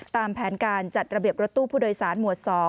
ตามแผนการจัดระเบียบรถตู้ผู้โดยสารหมวด๒